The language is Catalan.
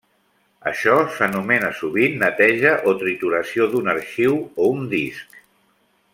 Això s'anomena sovint neteja o trituració d'un arxiu o un disc.